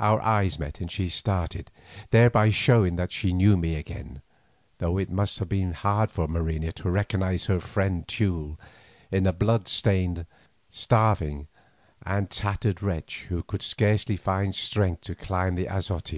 Our eyes met and she started, thereby showing that she knew me again, though it must have been hard for Marina to recognise her friend Teule in the blood stained, starving, and tattered wretch who could scarcely find strength to climb the azotea.